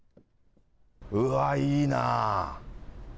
うわー、いいなー。